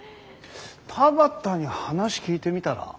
田端に話聞いてみたら？